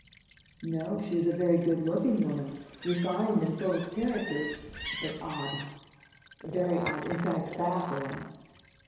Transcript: "No, she is a very good looking woman, refined and full of character, but odd, very odd, in fact, baffling."